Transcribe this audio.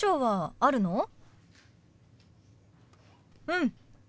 うん。